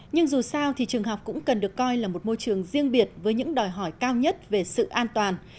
nhưng dù sao thì trường học cũng cần được coi là một môi trường riêng biệt với những đòi hỏi cao nhất về sự an toàn